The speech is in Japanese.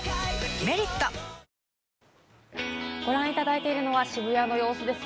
「メリット」ご覧いただいているのは渋谷の様子です。